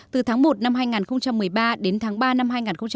từ tháng một năm hai nghìn một mươi ba đến tháng ba năm hai nghìn một mươi chín